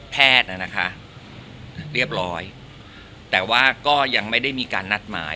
นะคะเรียบร้อยแต่ว่าก็ยังไม่ได้มีการนัดหมาย